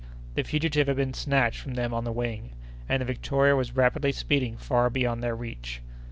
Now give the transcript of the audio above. The fugitive had been snatched from them on the wing, and the Victoria was rapidly speeding far beyond their reach.